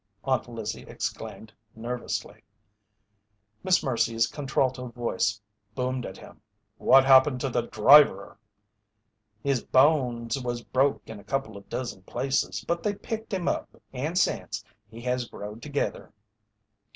Aunt Lizzie exclaimed, nervously. Miss Mercy's contralto voice boomed at him: "What happened to the driver?" "His bones was broke in a couple of dozen places, but they picked him up, and sence, he has growed together."